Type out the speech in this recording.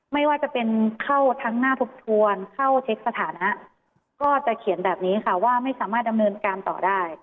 ไม่ว่าจะเป็นเข้าทั้งหน้าทบทวนเข้าเช็คสถานะก็จะเขียนแบบนี้ค่ะว่าไม่สามารถดำเนินการต่อได้